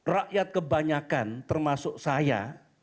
rakyat kebanyakan termasuk saya